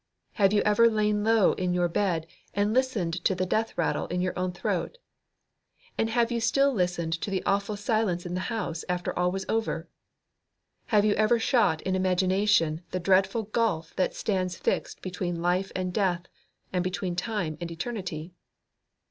Have you ever lain low in your bed and listened to the death rattle in your own throat? And have you still listened to the awful silence in the house after all was over? Have you ever shot in imagination the dreadful gulf that stands fixed between life and death, and between time and eternity?